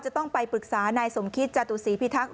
จะต้องไปปรึกษานายสมคิตจตุศีพิทักษ